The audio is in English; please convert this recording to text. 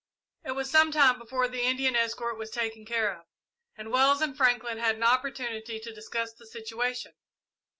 It was some time before the Indian escort was taken care of, and Wells and Franklin had an opportunity to discuss the situation.